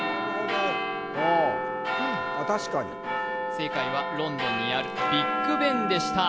正解はロンドンにあるビッグ・ベンでした。